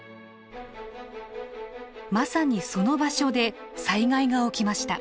まさにその場所で災害が起きました。